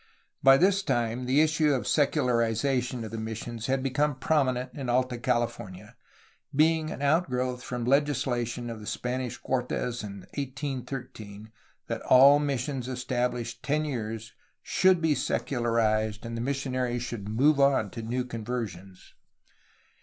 By this time the issue of secularization of the missions had become prominent in Alta California, being an outgrowth from legislation of the Spanish Cortes in 1813 that all missions estabUshed ten years should be secularized and the mission aries should move on to new conversions.